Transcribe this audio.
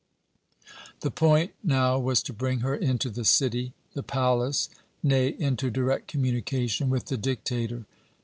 "The point now was to bring her into the city, the palace nay, into direct communication with the dictator.